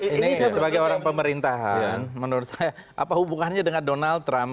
ini sebagai orang pemerintahan menurut saya apa hubungannya dengan donald trump